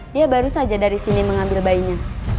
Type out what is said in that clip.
dia baru saja dari sini mengambil bayinya